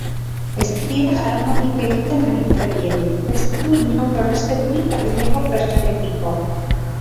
Ez die jaramonik egiten agintariei, ez du inongo errespeturik adineko pertsonekiko.